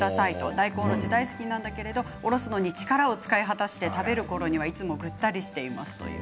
大根おろし大好きなんだけれどもおろすのに力を使い果たして食べるころにはいつもぐったりしています。